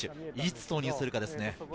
いつ投入するかですね。